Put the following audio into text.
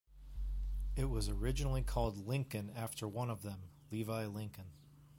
It was originally called "Lincoln" after one of them, Levi Lincoln.